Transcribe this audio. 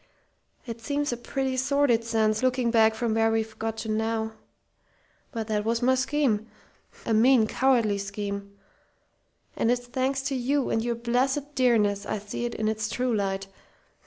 It seems a pretty sordid sense, looking back from where we've got to now. But that was my scheme. A mean, cowardly scheme! And it's thanks to you and your blessed dearness I see it in its true light....